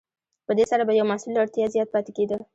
په دې سره به یو محصول له اړتیا زیات پاتې کیده.